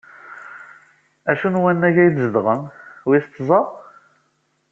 Acu n wannag ay zedɣem? Wis tẓa..